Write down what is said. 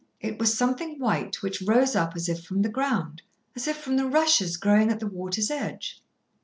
It was something white, which rose up as if from the ground, as if from the rushes growing at the water's edge.